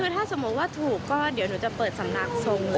คือถ้าสมมุติว่าถูกก็เดี๋ยวหนูจะเปิดสำนักทรง